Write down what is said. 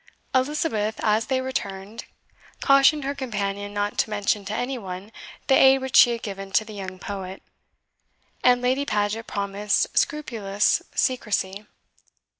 Elizabeth, as they returned, cautioned her companion not to mention to any one the aid which she had given to the young poet, and Lady Paget promised scrupulous secrecy.